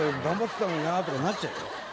頑張ってたのになとかなっちゃうよ。